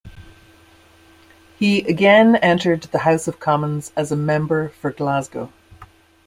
He again entered the House of Commons as a Member for Glasgow.